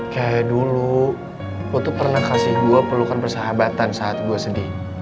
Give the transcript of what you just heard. kayak dulu aku tuh pernah kasih gue perlukan persahabatan saat gue sedih